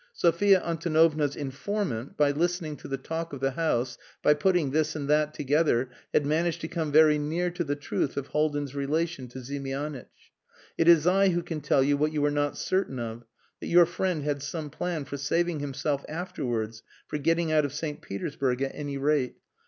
Sophia Antonovna's informant, by listening to the talk of the house, by putting this and that together, had managed to come very near to the truth of Haldin's relation to Ziemianitch. "It is I who can tell you what you were not certain of that your friend had some plan for saving himself afterwards, for getting out of St. Petersburg, at any rate.